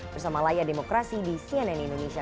bersama layar demokrasi di cnn indonesia